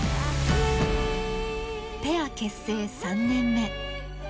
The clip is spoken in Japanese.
ペア結成３年目。